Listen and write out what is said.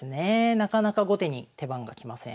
なかなか後手に手番が来ません。